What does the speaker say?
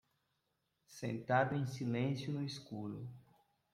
Sentado em silêncio no escuro